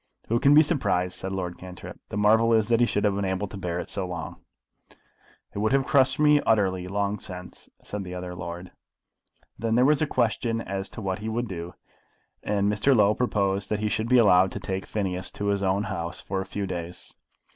"Who can be surprised?" said Lord Cantrip. "The marvel is that he should have been able to bear it so long." "It would have crushed me utterly, long since," said the other lord. Then there was a question asked as to what he would do, and Mr. Low proposed that he should be allowed to take Phineas to his own house for a few days.